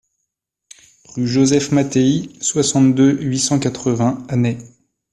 Rue Joseph Mattéi, soixante-deux, huit cent quatre-vingts Annay